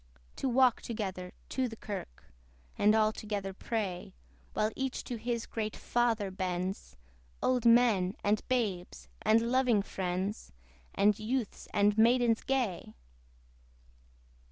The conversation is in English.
To walk together to the kirk, And all together pray, While each to his great Father bends, Old men, and babes, and loving friends, And youths and maidens gay!